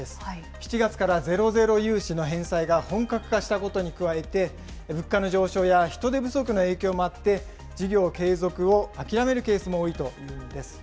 ７月からゼロゼロ融資の返済が本格化したことに加えて、物価の上昇や人手不足の影響もあって、事業継続を諦めるケースも多いというんです。